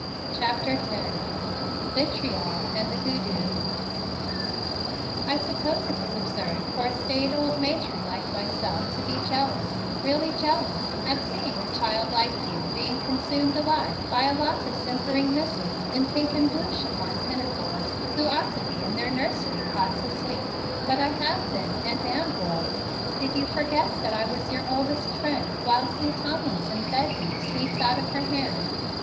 CHAPTER X VITRIOL AND THE HOODOO "I suppose it is absurd for a staid old matron like myself to be jealous, really jealous, at seeing a child like you being consumed alive by a lot of simpering misses in pink and blue chiffon pinafores, who ought to be in their nursery cots asleep, but I have been and am, boy. Did you forget that I was your oldest friend while Sue Tomlinson fed you sweets out of her hand?"